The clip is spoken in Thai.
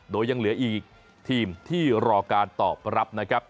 โดยยังเหลืออีกทีมที่รอการตอบรับนะครับ